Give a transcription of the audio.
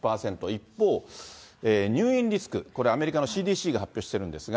一方、入院リスク、これ、アメリカのＣＤＣが発表してるんですが。